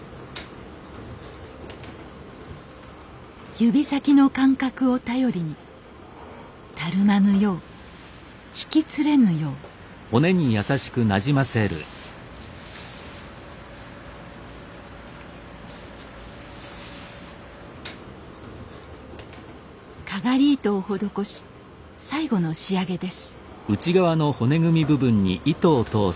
指先の感覚を頼りにたるまぬようひきつれぬようかがり糸をほどこし最後の仕上げです